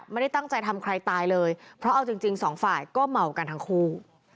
ไม่ได้ตั้งใจทำใครตายเลยเพราะเอาจริงสองฝ่ายก็เมากันทั้งคู่